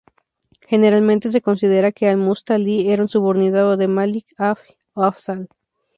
Generalmente se considera que Al-Mustaˤlī era un subordinado de Malik al-Afdal.